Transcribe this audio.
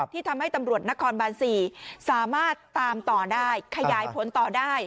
ที่ทำให้ตำรวจนครบาน๔สามารถตามต่อได้ขยายผลต่อได้